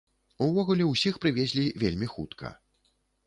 Увогуле ўсіх прывезлі вельмі хутка.